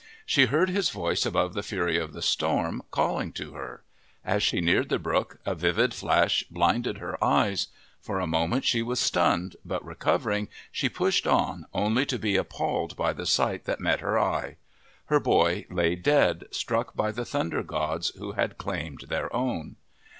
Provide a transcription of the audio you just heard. She heard his voice above the fury of the storm calling to her. As she neared the brook, a vivid flash blinded her eyes ; for a moment she was stunned, but recovering, she pushed on, only to be appalled by the sight that met her gaze. Her boy lay dead, struck by the Thunder gods who had claimed their own.